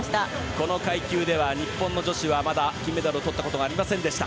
この階級では日本の女子はまだ金メダルをとったことがありませんでした。